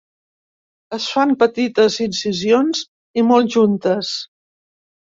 Es fan petites incisions i molt juntes.